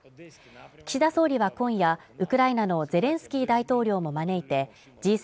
岸田総理は今夜、ウクライナのゼレンスキー大統領も招いてＧ７